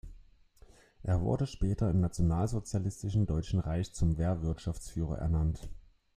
Er wurde später im nationalsozialistischen Deutschen Reich zum Wehrwirtschaftsführer ernannt.